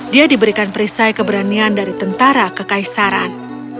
dia diberikan perisai keberanian dari tentara ke kaisaran